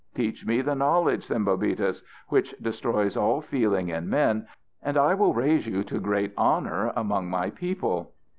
Teach me the knowledge, Sembobitis, which destroys all feeling in men and I will raise you to great honour among my people."